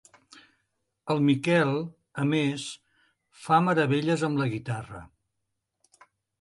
El Miquel, a més, fa meravelles amb la guitarra.